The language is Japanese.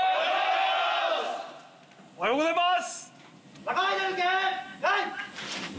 おはようございます！